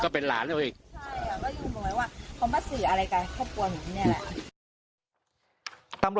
ก็เป็นของหลาน